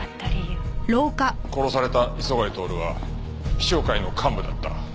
殺された磯貝徹は陽尚会の幹部だった。